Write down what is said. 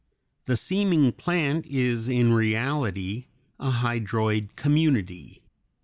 The seeming plant is in reality a hydroid community.